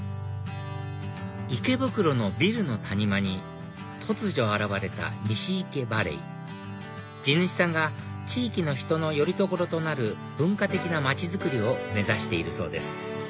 池袋のビルの谷間に突如現れたニシイケバレイ地主さんが地域の人のよりどころとなる文化的な街づくりを目指しているそうです